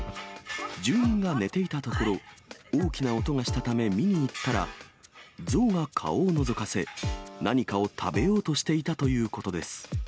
住人が寝ていたところ、大きな音がしたため、見に行ったら、象が顔をのぞかせ、何かを食べようとしていたということです。